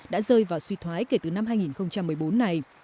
đã rơi vào suy thoái kể từ năm hai nghìn một mươi bốn này